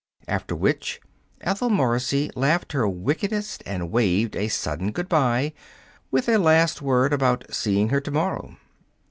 After which, Ethel Morrissey laughed her wickedest and waved a sudden good by with a last word about seeing her to morrow.